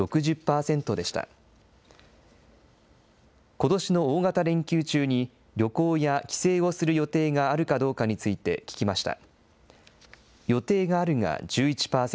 ことしの大型連休中に旅行や帰省をする予定があるかどうかについて聞きました。